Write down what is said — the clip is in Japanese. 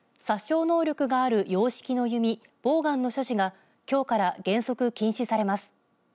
殺傷能力がある洋式の弓ボーガンの所持がきょうから原則禁止されます。